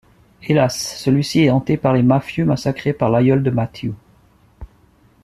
Hélas, celui-ci est hanté par les mafieux massacrés par l'aïeul de Matthew.